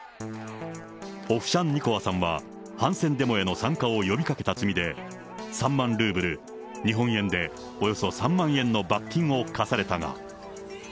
オフシャンニコワさんは、反戦デモへの参加を呼びかけた罪で、３万ルーブル、日本円でおよそ３万円の罰金を科されたが。